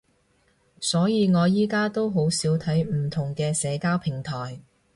所以我而家都好少睇唔同嘅社交平台